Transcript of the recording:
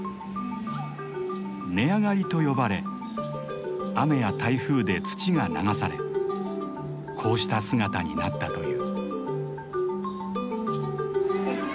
根上がりと呼ばれ雨や台風で土が流されこうした姿になったという。